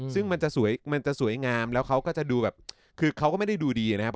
ซึ่งมันจะสวยมันจะสวยงามแล้วเขาก็จะดูแบบคือเขาก็ไม่ได้ดูดีนะครับ